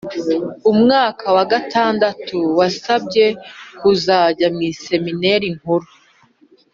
umwaka wa gatandatu wasabye kuzajya mu iseminari nkuru